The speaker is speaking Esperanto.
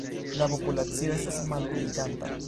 La populacio estas malpliiĝanta.